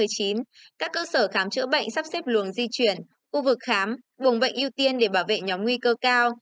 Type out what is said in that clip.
các cơ sở khám chữa bệnh sắp xếp luồng di chuyển khu vực khám buồng bệnh ưu tiên để bảo vệ nhóm nguy cơ cao